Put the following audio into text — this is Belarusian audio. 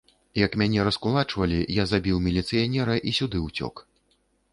Як мяне раскулачвалі, я забіў міліцыянера і сюды ўцёк.